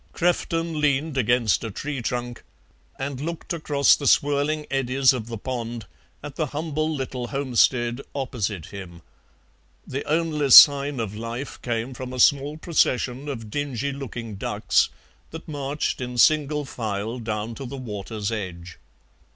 Crefton leaned against a tree trunk and looked across the swirling eddies of the pond at the humble little homestead opposite him; the only sign of life came from a small procession of dingy looking ducks that marched in single file down to the water's edge.